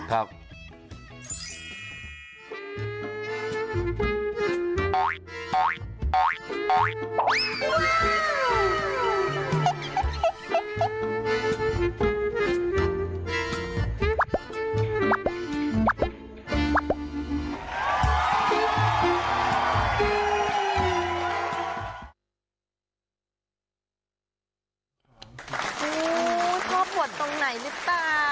โหชอบหัวตรงไหนรึเปล่า